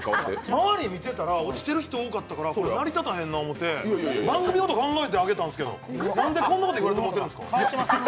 周り見てたら落ちてる人多かったから成りたたんな思って番組のこと考えてやったんですけどなんでそんなこと言われてるんですか？